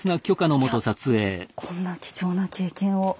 いやこんな貴重な経験を。